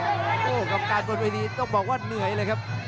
กรุงการตอนในไปเราต้องบอกว่าเหนื่อยเลยครับ